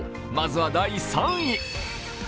まずは第３位。